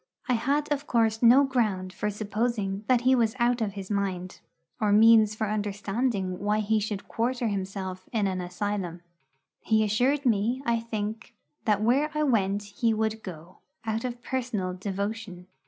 I had of course no ground for supposing that he was out of his mind, or means for understanding why he should quarter himself in an asylum. He assured me, I think, that where I went he would go, out of personal devotion.